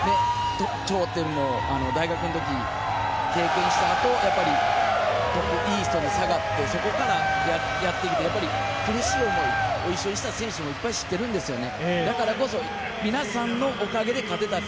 彼は頂点を大学のときに経験した後、トップイーストに下がって、そこからやってきて、苦しい思いを一緒にした選手もいっぱいしてるんですよね。